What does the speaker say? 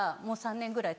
もう３年前？